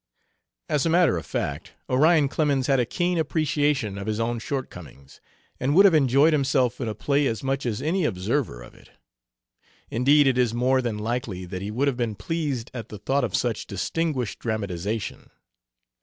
As a matter of fact, Orion Clemens had a keen appreciation of his own shortcomings, and would have enjoyed himself in a play as much as any observer of it. Indeed, it is more than likely that he would have been pleased at the thought of such distinguished dramatization.